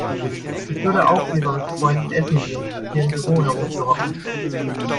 Ich würde auch lieber mit Freunden Essen gehen, statt hier im Büro herumzuhocken.